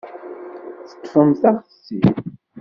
Teṭṭfemt-aɣ-tt-id.